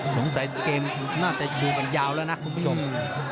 สงสัยเกมน่าจะยาวละนะคุณผู้ชม